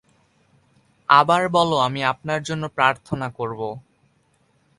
আবার বলো আমি আপনার জন্য প্রার্থনা করবো।